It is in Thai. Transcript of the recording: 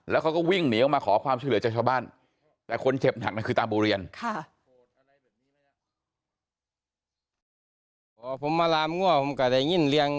แล้วเขาก็วิ่งหนีออกมาขอความช่วยเหลือจากชาวบ้าน